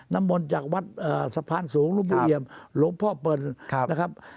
นำมนต์จากวัดสะพานสูงลูกพ่อเปิลนะครับ